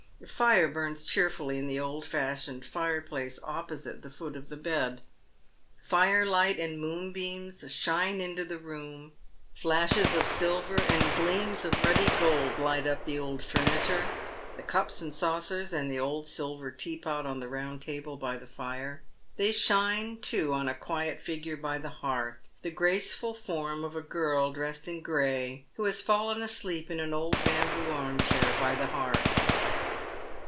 A fire bums cheerfully in the old fashioned fireplace opposite the foot of the bed. Firelight and moonbeams shine into the room, flashes of silver and gleams of ruddy gold hght up the old furniture, the cups and saucers and the old silver tea pot on the round table by the fire. They shine, too, on a quiet figure by the hearth, the gracefxil form of a girl dressed in gray, who has fallen asleep in an old bamboo arm chair by the hearth.